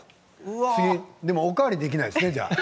でも、お代わりができないね。